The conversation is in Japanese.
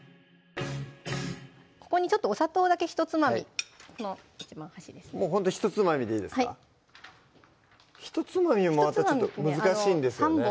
ここにちょっとお砂糖だけひとつまみほんとひとつまみでいいですかはいひとつまみもまたちょっと難しいんですよね